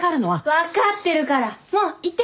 分かってるからもう行って。